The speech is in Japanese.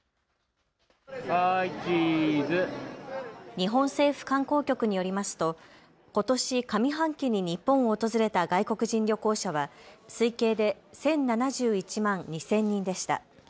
日本政府観光局によりますとことし上半期に日本を訪れた外国人旅行者は推計で１０７１万２０００人でした。